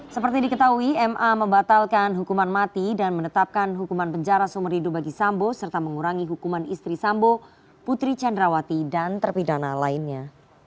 seperti diketahui ma membatalkan hukuman mati dan menetapkan hukuman penjara sumur hidup bagi sambo serta mengurangi hukuman istri sambo putri candrawati dan terpidana lainnya